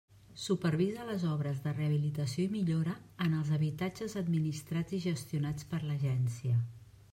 Supervisa les obres de rehabilitació i millora en els habitatges administrats i gestionats per l'Agència.